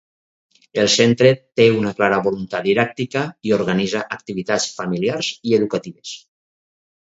El centre té una clara voluntat didàctica i organitza activitats familiars i educatives.